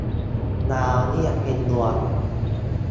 ดาวเรียกเป็นดวง